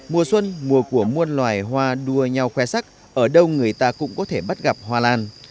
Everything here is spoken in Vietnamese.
mùa xuân mùa của muôn loài hoa đua nhau khoe sắc ở đâu người ta cũng có thể bắt gặp hoa lan